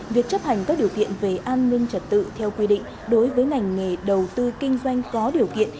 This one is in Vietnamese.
việc chấp hành các điều kiện về an ninh trật tự theo quy định đối với ngành nghề đầu tư kinh doanh có điều kiện